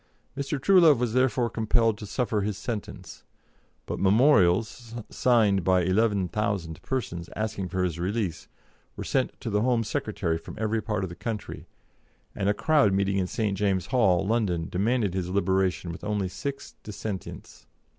Mr. Truelove was therefore compelled to suffer his sentence, but memorials, signed by 11,000 persons, asking for his release, were sent to the Home Secretary from every part of the country, and a crowded meeting in St. James's Hall, London, demanded his liberation with only six dissentients.